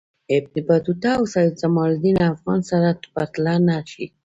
ابن بطوطه او سیدجماالدین افغان سره پرتله نه شي.